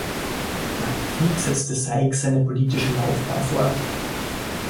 Nach dem Krieg setzte Sikes seine politische Laufbahn fort.